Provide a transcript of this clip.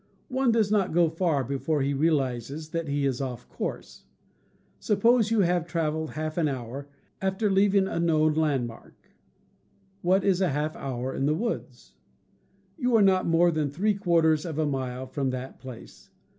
One does not go far before he realizes that he is off his course. Suppose you have traveled half an hour after leaving a known landmark. What is half an hour in the woods .^ You are not more than three quarters of a mile from that place.